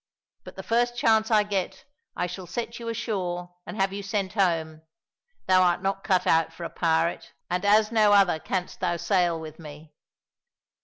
But the first chance I get I shall set you ashore and have you sent home. Thou art not cut out for a pirate, and as no other canst thou sail with me."